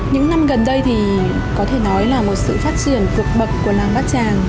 những năm gần đây thì có thể nói là một sự phát triển vượt bậc của làng bát tràng